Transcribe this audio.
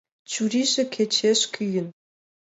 Чурийже кечеш кӱын.